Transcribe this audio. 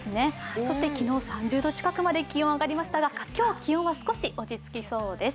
そして昨日、３０度近くまで気温上がりましたが今日は少し落ち着きそうです。